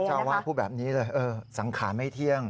พระเจ้าว่าพูดแบบนี้เลยสังขาไม่เที่ยง